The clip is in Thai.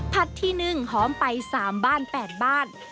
ที่๑หอมไป๓บ้าน๘บ้าน